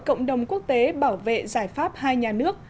cộng đồng quốc tế bảo vệ giải pháp hai nhà nước